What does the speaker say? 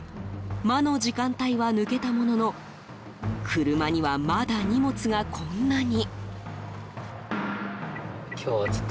魔の時間帯は抜けたものの車には、まだ荷物がこんなに。